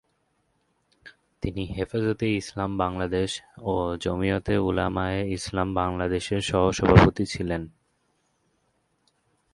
তিনি হেফাজতে ইসলাম বাংলাদেশ ও জমিয়তে উলামায়ে ইসলাম বাংলাদেশের সহ-সভাপতি ছিলেন।